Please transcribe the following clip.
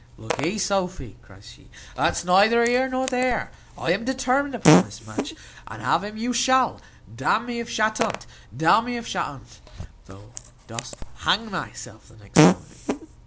"Lookee, Sophy," cries he; "that's neither here nor there. I am determined upon this match, and have him you shall, d n me if shat unt. D n me if shat unt, though dost hang thyself the next morning."